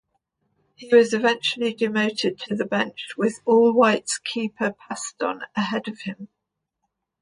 He was eventually demoted to the bench with All-Whites keeper Paston ahead of him.